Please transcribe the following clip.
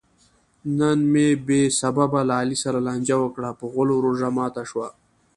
نن مې بې سببه له علي سره لانجه وکړه؛ په غولو روژه ماته شوه.